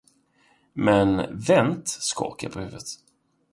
Men Wendt skakade på huvudet.